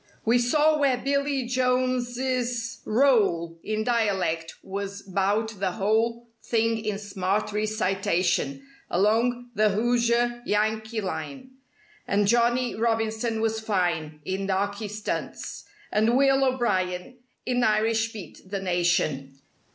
We saw where Billy Jones's role In "dialect" was 'bout the whole Thing in smart recitation, Along the "Hoosier," "Yankee" line. And Johnnie Robinson was fine In "darkey" stunts. And Will O'Brien In "Irish" beat the nation.